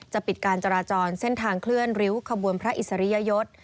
ปิดการจราจรเส้นทางเคลื่อนริ้วขบวนพระอิสริยยศ